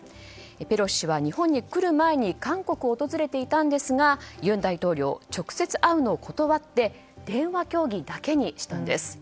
ペロシ氏は日本に来る前に韓国を訪れていたんですが尹大統領は直接会うのを断って電話協議だけにしたんです。